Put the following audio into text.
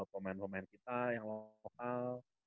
pemain pemain kita yang lokal